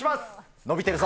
伸びてるぞ。